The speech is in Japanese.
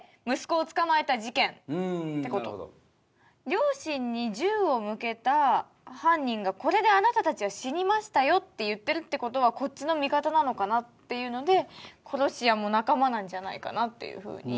両親に銃を向けた犯人が「これであなたたちは死にましたよ」って言ってるってことはこっちの味方なのかなっていうので殺し屋も仲間なんじゃないかなっていうふうに。